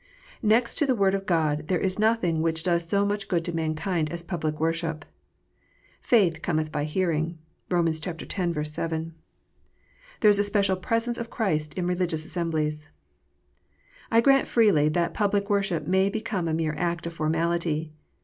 Next to the Word of God there is nothing which does so much good to mankind as public worship. "Faith cometh by hearing." (Rom. x. 7.) There is a special presence of Christ in religious assemblies. I grant freely that public worship may become a mere act of formality.